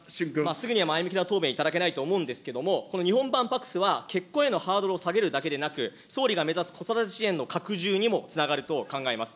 すぐには前向きな答弁いただけないと思うんですけども、この日本版パクスは結婚へのハードルを下げるだけでなく、総理が目指す子育て世帯の拡充にはつながると考えます。